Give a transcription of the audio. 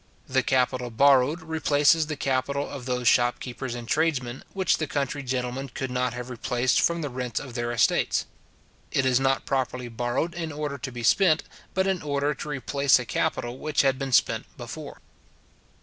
The capital borrowed replaces the capitals of those shop keepers and tradesmen which the country gentlemen could not have replaced from the rents of their estates. It is not properly borrowed in order to be spent, but in order to replace a capital which had been spent before.